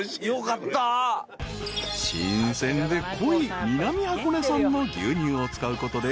［新鮮で濃い南箱根産の牛乳を使うことで］